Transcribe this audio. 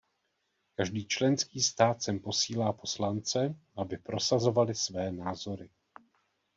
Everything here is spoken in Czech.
Každý členský stát sem posílá poslance, aby prosazovali své názory.